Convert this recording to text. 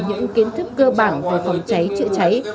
những kiến thức cơ bản về phòng cháy chữa cháy